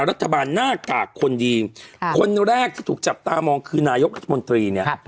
รัฐบาลหน้ากากคนดีคนแรกที่ถูกจับตามองคือนายกรัฐมนตรีเนี่ย